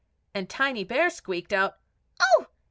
And Tiny Bear squeaked out, "Oh!